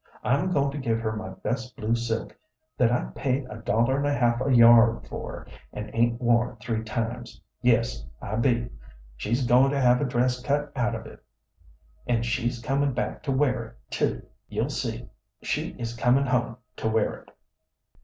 I'm goin' to give her my best blue silk, that I paid a dollar and a half a yard for, and 'ain't worn three times. Yes, I be. She's goin' to have a dress cut out of it, an' she's comin' back to wear it, too. You'll see she is comin' home to wear it."